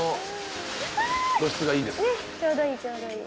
ちょうどいいちょうどいい。